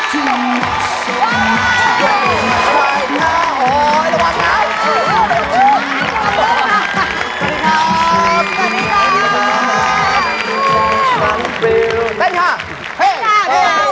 โหระวังนะ